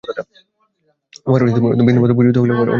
উহার বিন্দুমাত্র বুঝিতে হইলেও অনেক জন্ম প্রয়োজন।